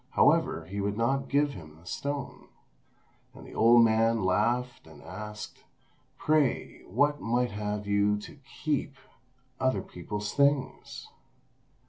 However, he would not give him the stone; and the old man laughed, and asked, "Pray, what right have you to keep other people's things?"